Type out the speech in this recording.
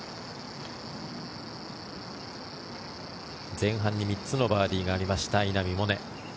前半に３つのバーディーがありました、稲見萌寧。